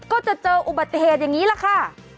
ก็จะเจออุบัติเหตุอย่างนี้แหละค่ะ